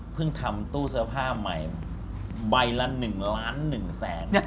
ทำตู้เสื้อผ้าใหม่ใบละ๑ล้าน๑แสน